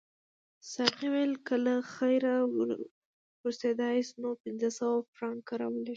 ساقي وویل که له خیره ورسیداست نو پنځه سوه فرانکه راولېږه.